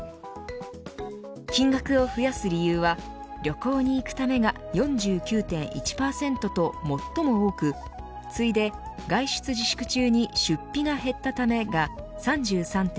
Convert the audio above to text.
金額を増やす理由は旅行に行くためが４９．１％と最も多く次いで外出自粛中に出費が減ったためが３３．３％。